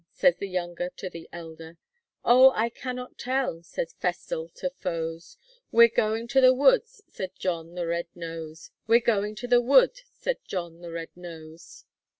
says the youn ger to the el der; O! I can not tell, says Fes tel to Fose; We're go ing to the woods, said John the Red Nose, We're go ing to the woods, said John the Red Nose!